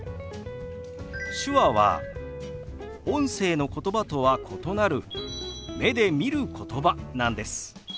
手話は音声のことばとは異なる目で見ることばなんです。